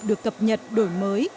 được cập nhật đổi mới